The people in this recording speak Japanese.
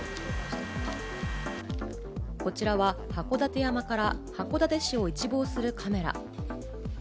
こちらは函館山から函館市を一望するカメラ。